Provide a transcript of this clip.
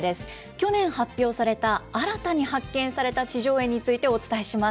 去年発表された新たに発見された地上絵についてお伝えします。